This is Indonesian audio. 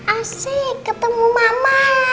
asik ketemu mama